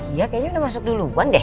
iya kayaknya udah masuk duluan deh